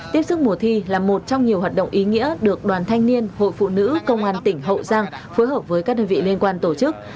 tiếp sức mùa thi là một trong nhiều hoạt động ý nghĩa được đoàn thanh niên hội phụ nữ công an tỉnh hậu giang phối hợp với các đơn vị liên quan tổ chức